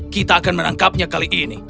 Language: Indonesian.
kita akan menangkapnya kali ini